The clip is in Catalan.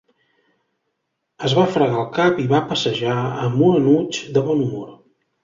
Es va fregar el cap i va passejar amb un enuig de bon humor.